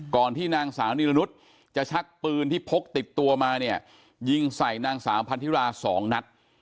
ที่นางสาวนิรนุษย์จะชักปืนที่พกติดตัวมาเนี่ยยิงใส่นางสาวพันธิราสองนัด